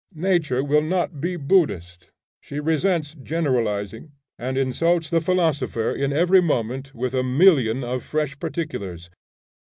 Nature will not be Buddhist: she resents generalizing, and insults the philosopher in every moment with a million of fresh particulars.